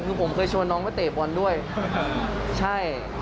คือผมเคยชวนน้องไปเตะบอลด้วยใช่